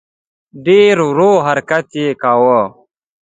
ډېر ورو حرکت یې کاوه.